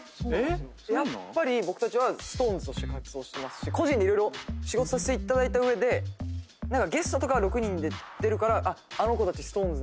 やっぱり僕たちはＳｉｘＴＯＮＥＳとして活動してますし個人で色々仕事させていただいた上でゲストとかは６人で出るからあの子たちＳｉｘＴＯＮＥＳ